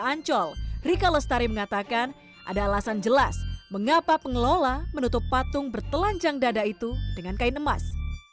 ancol rika lestari mengatakan ada alasan jelas mengapa pengelola menutup patung bertelanjang dada itu dengan kain emas